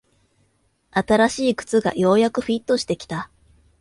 新しい靴がようやくフィットしてきた